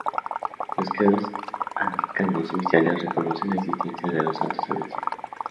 Los credos anglicanos oficiales reconocen la existencia de los santos en el cielo.